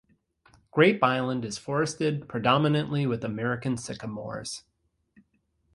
Grape Island is forested, predominantly with American sycamores.